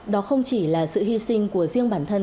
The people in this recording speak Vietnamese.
đó không chỉ là sự hy sinh của riêng bản thân